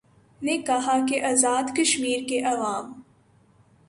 نے کہا کہ آزادکشمیر کےعوام